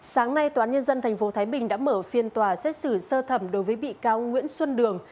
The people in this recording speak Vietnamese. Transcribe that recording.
sáng nay tòa án nhân dân tp thái bình đã mở phiên tòa xét xử sơ thẩm đối với bị cáo nguyễn xuân đường